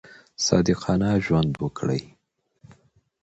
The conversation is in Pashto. صادقانه ژوند وکړئ.